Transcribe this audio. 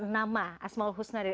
nama asmul husnadi